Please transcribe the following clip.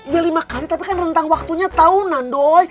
ya lima kali tapi kan rentang waktunya tahunan doy